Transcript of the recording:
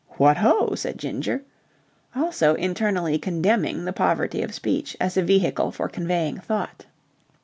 "What ho!" said Ginger, also internally condemning the poverty of speech as a vehicle for conveying thought.